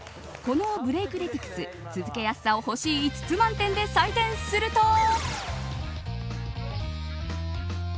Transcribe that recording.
このブレイクティクス続けやすさを、星５つ満点で採点すると。